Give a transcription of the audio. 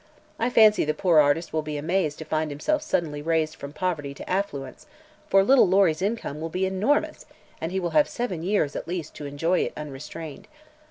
I fancy the poor artist will be amazed to find himself suddenly raised from poverty to affluence, for little Lory's income will be enormous and he will have seven years, at least, to enjoy it unrestrained.